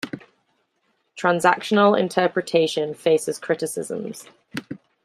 Transactional Interpretation faces criticisms.